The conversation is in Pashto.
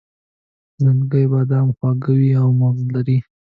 زنګي بادام خواږه وي او مغز لري.